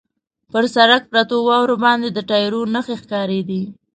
پر سړک پرتو واورو باندې د ټایرو نښې ښکارېدې.